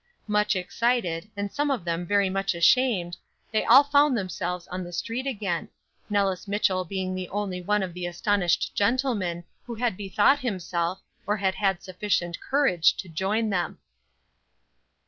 Much excited, and some of them very much ashamed, they all found themselves on the street again, Nellis Mitchell being the only one of the astonished gentlemen who had bethought himself, or had had sufficient courage to join them.